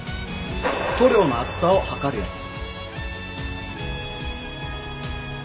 塗料の厚さを測るやつ。